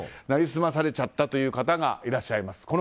成り済まされちゃったという方がいらっしゃいます。